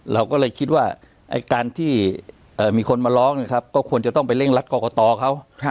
เราก็เลยคิดว่าการที่มีคนมาร้องก็ควรจะต้องไปเร่งรัดกรกตเขา